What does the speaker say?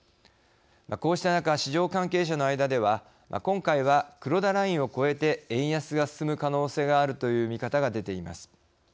こうした中、市場関係者の間では今回は、黒田ラインをこえて円安が進む可能性があるという見方が出ています。